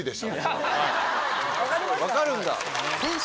分かるんだ。